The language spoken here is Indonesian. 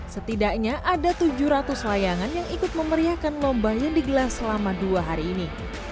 setidaknya ada tujuh ratus layangan yang ikut memeriahkan lomba yang digelar selama dua hari ini